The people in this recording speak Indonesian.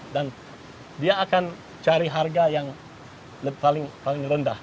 dan dia akan cari harga yang paling rendah